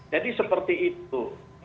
jadi seperti itu